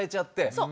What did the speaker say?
そう。